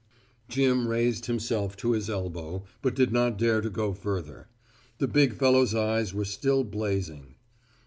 Jim raised himself to his elbow, but did not dare to go further. The big fellow's eyes were still blazing.